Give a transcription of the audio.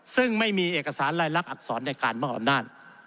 ซึ่งไม่มีเอกสารลายลักษณอักษรในการมอบอำนาจ